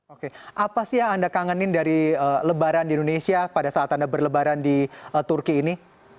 oke apa sih yang anda kangenin dari lebaran di indonesia pada saat anda berlebaran di turki ini